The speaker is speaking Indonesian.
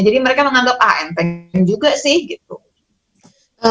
jadi mereka menganggap anp juga sih gitu